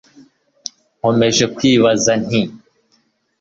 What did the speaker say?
Nkomeje kwibaza nti